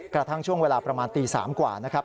กระทั่งช่วงเวลาประมาณตี๓กว่านะครับ